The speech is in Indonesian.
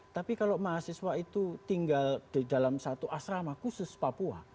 tapi kalau mahasiswa itu tinggal di dalam satu asrama khusus papua